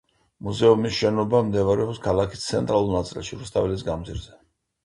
მუზეუმის შენობა მდებარეობს ქალაქის ცენტრალურ ნაწილში, რუსთაველის გამზირზე.